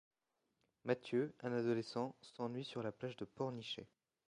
Mathieu, un adolescent, s'ennuie sur la plage de Pornichet.